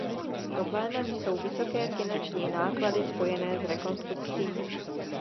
Problémem jsou vysoké finanční náklady spojené s rekonstrukcí.